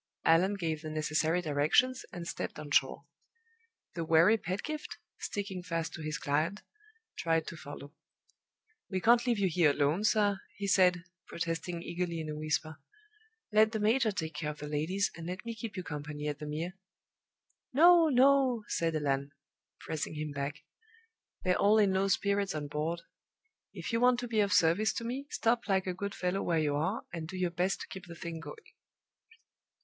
Allan gave the necessary directions, and stepped on shore. The wary Pedgift (sticking fast to his client) tried to follow. "We can't leave you here alone, sir," he said, protesting eagerly in a whisper. "Let the major take care of the ladies, and let me keep you company at the Mere." "No, no!" said Allan, pressing him back. "They're all in low spirits on board. If you want to be of service to me, stop like a good fellow where you are, and do your best to keep the thing going."